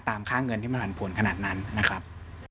ค่าเงินที่มันผันผวนขนาดนั้นนะครับ